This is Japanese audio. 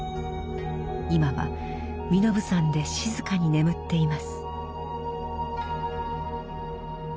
今は身延山で静かに眠っています。